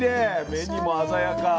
目にも鮮やか。